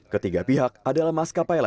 ketiga pihak adalah maskapai